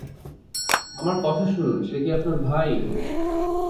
আমার কথা শুনুন সে কি আপনার ভাই?